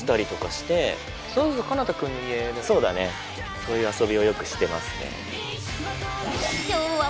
そういう遊びをよくしてますね。